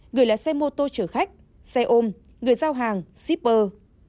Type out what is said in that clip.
người lái xe mô tô chở khách xe ôm người giao hàng shipper